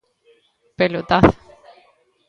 ¡Pelotazo!